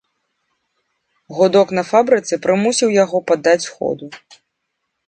Гудок на фабрыцы прымусіў яго паддаць ходу.